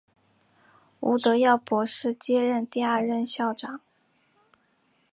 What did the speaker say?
吴德耀博士接任第二任校长。